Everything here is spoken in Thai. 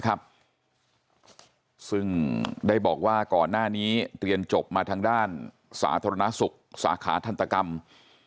ซึ่งได้บอกว่าก่อนหน้านี้เรียนจบมาทางด้านสาธารณสุขสาขาทันตกรรม